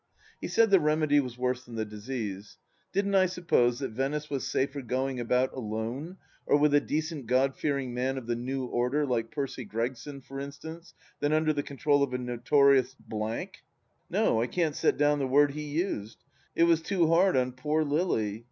He said the remedy was worse than the disease. Didn't I suppose that Venice was safer going about alone, or with a decent Grod fearing man of the new order, like Percy Gregson, for instance, than under the control of a notorious 1 No, I can't set down the word he used. It was too hard on poor Lily.